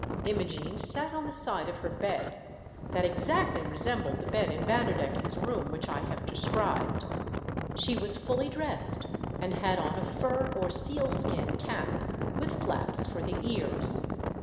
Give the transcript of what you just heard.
Imogene sat on the side of her bed, that exactly resembled the bed in Vanderdecken's room which I have described. She was fully dressed, and had on a fur or sealskin cap, with flaps for the ears.